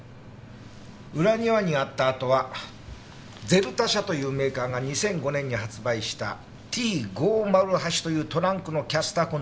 裏庭にあった跡はＺＥＬＴＡ社というメーカーが２００５年に発売したＴ５０８というトランクのキャスター痕と一致した。